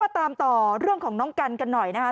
ตามต่อเรื่องของน้องกันกันหน่อยนะคะ